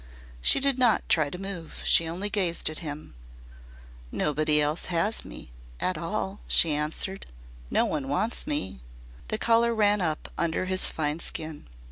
She did not try to move. She only gazed at him. "Nobody else has me at all," she answered. "No one wants me." The colour ran up under his fine skin.